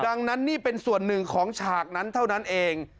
ดังนั้นนี่เป็นส่วนหนึ่งของฉากนั้นเท่านั้นเอง